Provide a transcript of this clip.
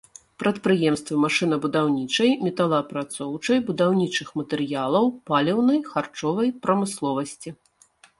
Прадпрыемствы машынабудаўнічай, металаапрацоўчай, будаўнічых матэрыялаў, паліўнай, харчовай прамысловасці.